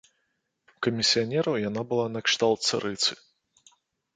У камісіянераў яна была накшталт царыцы.